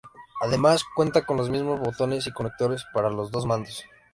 Además, cuenta con los mismos botones y conectores para dos mandos.